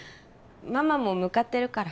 ママも向かってるから。